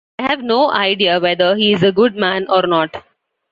I have no idea whether he is a good man or not.